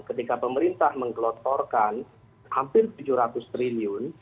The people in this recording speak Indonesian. ketika pemerintah menggelotorkan hampir tujuh ratus triliun